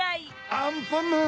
アンパンマン！